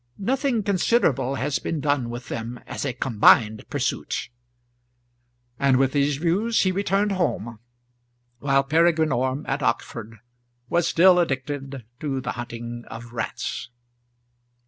Nothing considerable has been done with them as a combined pursuit." And with these views he returned home while Peregrine Orme at Oxford was still addicted to the hunting of rats.